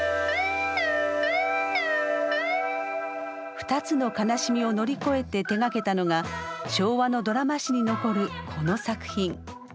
２つの悲しみを乗り越えて手がけたのが昭和のドラマ史に残るこの作品。